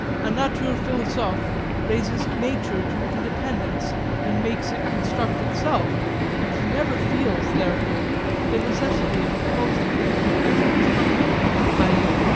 A Natur philosoph raises nature to independence, and makes it construct itself, and he never feels, therefore, the necessity of opposing nature as constructed (_i.e.